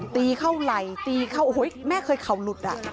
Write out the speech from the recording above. ตีเข้าไหล่ตีเข้าโอ้โหแม่เคยเข่าหลุดอ่ะ